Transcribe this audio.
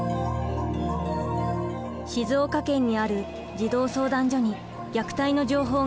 静岡県にある児童相談所に虐待の情報が寄せられました。